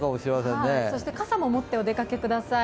そして傘も持ってお出かけください。